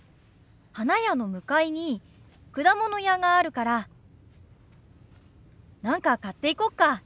花屋の向かいに果物屋があるから何か買っていこうか。